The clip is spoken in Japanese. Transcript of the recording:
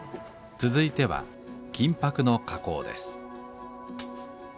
続いては金箔の加工です。